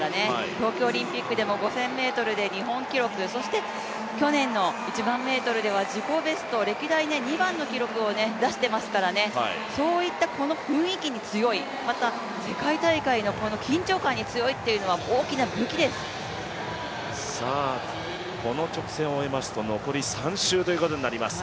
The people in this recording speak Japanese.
東京オリンピックでも５０００ｍで日本記録そして去年の１００００ｍでは自己ベスト歴代で２番の記録を出してますからねそういったこの雰囲気に強い、また世界大会の緊張感に強いというのはこの直線を終えますと残り３周ということになります。